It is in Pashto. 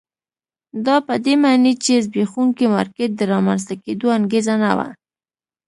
دا په دې معنی چې د زبېښونکي مارکېټ د رامنځته کېدو انګېزه نه وه.